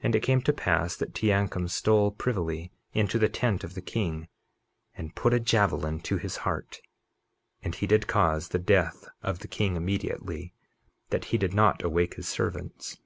51:34 And it came to pass that Teancum stole privily into the tent of the king, and put a javelin to his heart; and he did cause the death of the king immediately that he did not awake his servants.